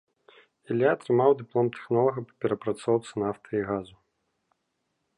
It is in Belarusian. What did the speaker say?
Ілля атрымаў дыплом тэхнолага па перапрацоўцы нафты і газу.